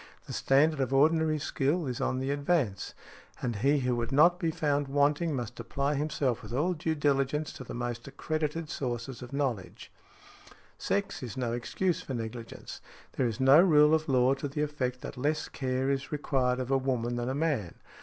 The standard of ordinary skill is on the advance; and he who would not be found wanting must apply himself with all diligence to the most accredited sources of knowledge . Sex is no excuse for negligence; there is no rule of law to the effect that less care is required of a woman than a man.